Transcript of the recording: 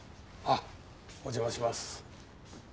あお邪魔します。